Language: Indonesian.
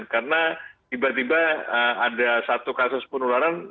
karena tiba tiba ada satu kasus penularan